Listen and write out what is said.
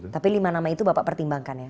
tapi lima nama itu bapak pertimbangkan ya